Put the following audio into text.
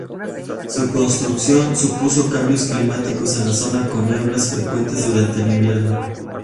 Su construcción supuso cambios climáticos en la zona, con nieblas frecuentes durante el invierno.